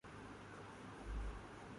پھر ہماری بات میں کچھ وزن پیدا ہو۔